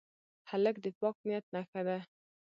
هلک د پاک نیت نښه ده.